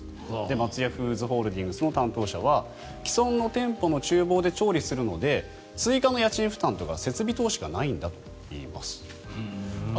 松屋フーズホールディングスの担当者は既存の店舗の厨房で調理するので追加の家賃負担とか設備投資がないんだといいます。